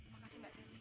makasih mbak shirley